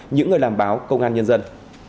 những người làm báo công an nhân dân